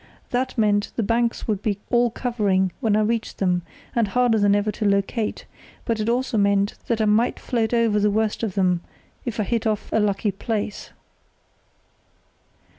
That meant the banks would be all covering when I reached them, and harder than ever to locate; but it also meant that I might float right over the worst of them if I hit off a lucky place."